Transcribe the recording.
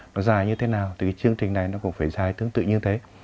nó dài như thế nào thì chương trình này nó cũng phải dài tương tự như thế